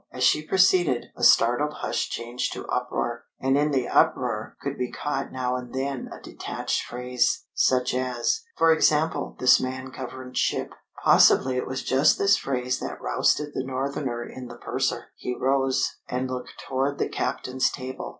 As she proceeded, a startled hush changed to uproar. And in the uproar could be caught now and then a detached phrase, such as "For example, this man governed ship." Possibly it was just this phrase that roused the Northerner in the purser. He rose, and looked toward the captain's table.